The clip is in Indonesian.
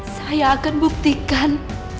saya akan buktikan